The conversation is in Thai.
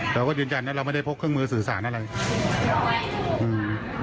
เราก็จริงจังนะเราไม่ได้พบเครื่องมือสื่อสารอะไร